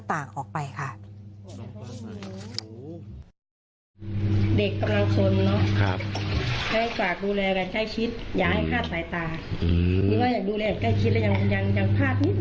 เด็กกำลังทนเนอะฉันต้องช่วยดูแลแก้ชิดอย่าให้ฆาตสายต๑๙๖๕นหายมากขอบคุณพลเมิงดีที่๓๐๐๐ค่ะ